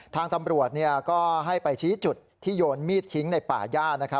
ทางตำรวจก็ให้ไปชี้จุดที่โยนมีดทิ้งในป่าย่า